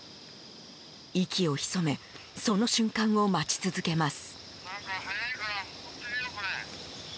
息を潜めその瞬間を待ち続けます。